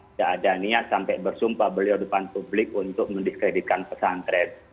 tidak ada niat sampai bersumpah beliau depan publik untuk mendiskreditkan pesantren